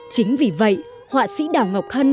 chính vì vậy họa sĩ đảo ngọc hân